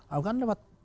aku kan lewat komentar